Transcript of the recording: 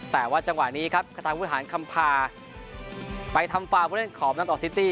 แต่ว่าจังหวะนี้ครับกระทางพุทธหารคำภาไปทำฝาผู้เล่นขอบนัทธวุฒิ